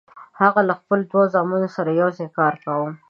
هغه له خپلو دوو زامنو سره یوځای کار کاوه.